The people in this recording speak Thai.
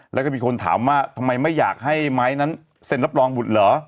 แล้วก็มีคนถามว่าทำไมไม่อยากให้ไม้นั้นเซ็นรับรองบุตรเหรอ